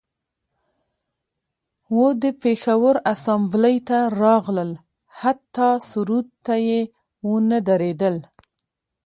و د پیښور اسامبلۍ ته راغلل حتی سرود ته یې ونه دریدل